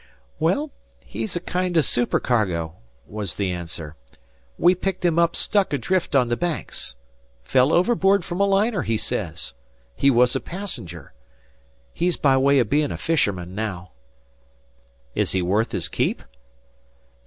"Well, he's kind o' supercargo," was the answer. "We picked him up struck adrift on the Banks. Fell overboard from a liner, he sez. He was a passenger. He's by way o' hem' a fisherman now." "Is he worth his keep?"